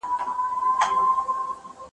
نن ایله دهقان شیندلي دي تخمونه ,